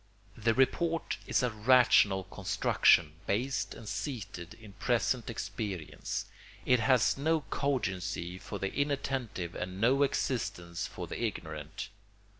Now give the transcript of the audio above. The report is a rational construction based and seated in present experience; it has no cogency for the inattentive and no existence for the ignorant.